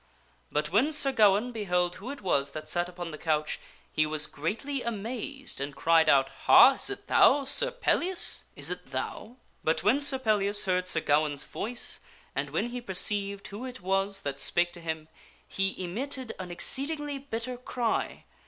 But when Sir Gawaine beheld who it was that sat upon the couch, he was greatly amazed and cried out, " Ha ! is it thou, Sir Pellias? is it thou?" But when Sir Pellias heard Sir Gawaine's voice, and when he perceived who it was that spake to him, he emitted an exceedingly bitter cry.